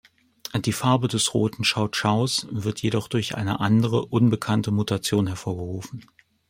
Die Farbe des roten Chow-Chows wird jedoch durch eine andere, unbekannte Mutation hervorgerufen.